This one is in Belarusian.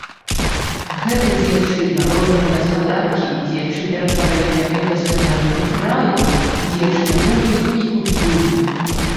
Гэта дзеячы народнай гаспадаркі, дзеячы ператварэння і ўдасканалення краю, дзеячы навукі і культуры.